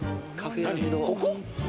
ここ？